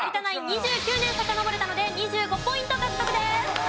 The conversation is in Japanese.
２９年さかのぼれたので２５ポイント獲得です。